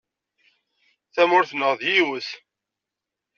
Tamurt-nneɣ d yiwet!